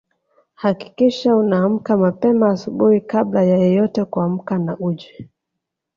Hakikisha unaamka mapema asubuhi kabla ya yeyote kuamka na uje